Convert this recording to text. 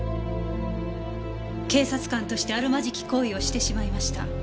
「警察官としてあるまじき行為をしてしまいました」